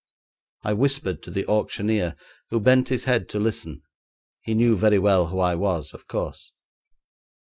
I whispered to the auctioneer, who bent his head to listen. He knew very well who I was, of course.